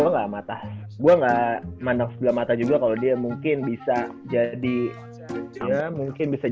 sampai ke tingkat basket tertinggi di dunia